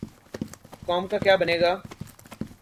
قوم کا کیا بنے گا؟